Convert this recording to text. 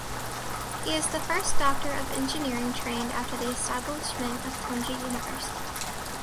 He is the first doctor of engineering trained after the establishment of Tongji University.